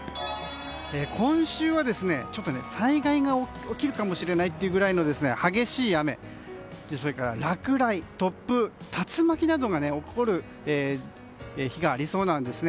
今週は災害が起きるかもしれないというぐらいの激しい雨と落雷、突風竜巻などが起こる日がありそうです。